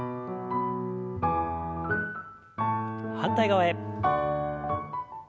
反対側へ。